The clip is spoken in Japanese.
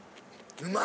うまい！